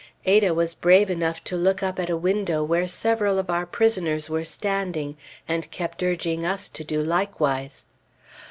Ada was brave enough to look up at a window where several of our prisoners were standing, and kept urging us to do likewise.